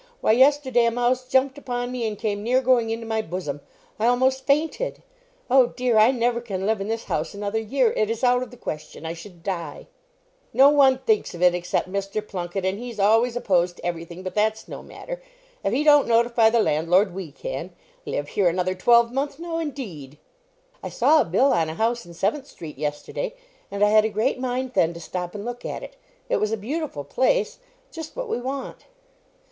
Why, yesterday, a mouse jumped upon me and came near going into my bosom. I almost fainted. Oh, dear! I never can live in this house another year; it is out of the question. I should die." "No one thinks of it, except Mr. Plunket, and he's always opposed to every thing; but that's no matter. If he don't notify the landlord, we can. Live here another twelvemonth! No, indeed!" "I saw a bill on a house in Seventh street yesterday, and I had a great mind, then, to stop and look at it. It was a beautiful place, just what we want."